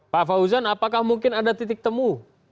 pak fauzan apakah mungkin ada titik temu